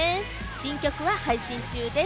新曲は配信中です。